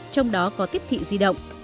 trong đó có tiếp thị di động